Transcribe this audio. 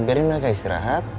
biarin mereka istirahat